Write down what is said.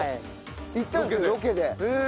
行ったんですロケで。